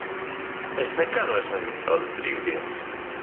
Es nekad vairs negribu tādas brīvdienas.